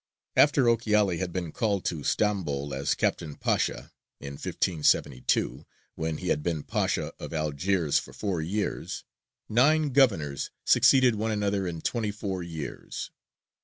After Ochiali had been called to Stambol as Captain Pasha, in 1572, when he had been Pasha of Algiers for four years, nine governors succeeded one another in twenty four years.